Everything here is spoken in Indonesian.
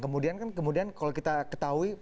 kemudian kan kemudian kalau kita ketahui